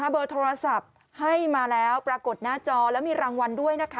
เบอร์โทรศัพท์ให้มาแล้วปรากฏหน้าจอแล้วมีรางวัลด้วยนะคะ